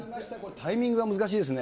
タイミングが難しいですね。